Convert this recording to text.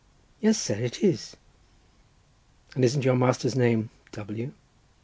"Yes, sir, it is." "And isn't your master's name W—?"